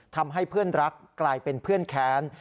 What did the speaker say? ทำให้เพื่อนรักกลายเป็นเพื่อนแค้น